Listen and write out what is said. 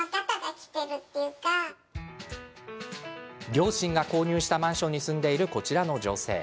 両親が購入したマンションに住んでいる、こちらの女性。